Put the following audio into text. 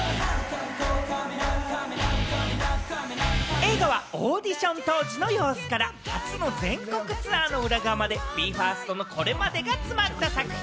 映画はオーディション当時の様子から、初の全国ツアーの裏側まで、ＢＥ：ＦＩＲＳＴのこれまでが詰まった作品。